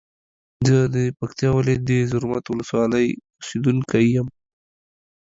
زه د پکتیا ولایت د زرمت ولسوالی اوسیدونکی یم.